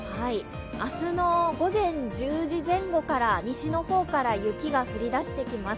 明日の午前１０時前後から西の方から雪が降り出してきます。